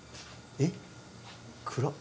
えっ暗っ。